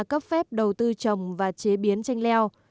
cấp phép đầu tư trồng và chế biến chanh leo